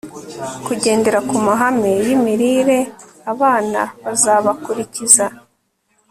kugendera ku mahame yimirire abana bazabakurikiza